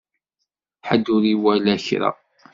Ḥedd ur iwala kra.